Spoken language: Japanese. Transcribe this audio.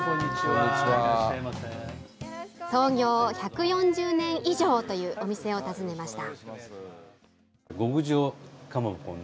創業１４０年以上というお店を訪ねました。